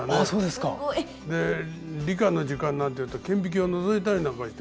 すごい！理科の時間なんていうと顕微鏡のぞいたりなんかして。